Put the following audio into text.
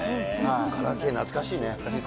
ガラケー、懐かしいね。